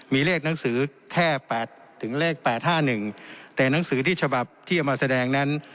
มีเลขหนังสือแค่แปดถึงเลขแปดห้าหนึ่งแต่หนังสือที่ฉบับที่จะมาแสดงนั้น